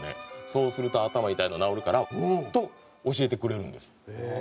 「そうすると頭痛いの治るから」と教えてくれるんです。